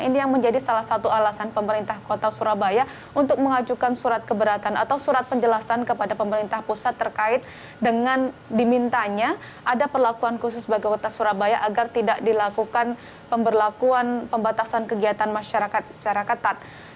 ini yang menjadi salah satu alasan pemerintah kota surabaya untuk mengajukan surat keberatan atau surat penjelasan kepada pemerintah pusat terkait dengan dimintanya ada perlakuan khusus bagi kota surabaya agar tidak dilakukan pemberlakuan pembatasan kegiatan masyarakat secara ketat